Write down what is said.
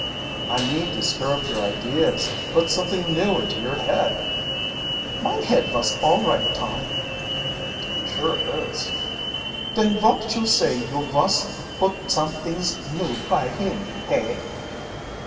"I mean to stir up your ideas put something new into your head." "Mine head vos all right, Tom." "To be sure it is." "Den vot you say you vos put somedings new py him, hey?"